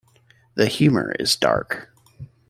The humor is dark.